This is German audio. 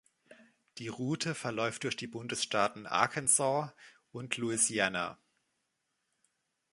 Die Route verläuft durch die Bundesstaaten Arkansas und Louisiana.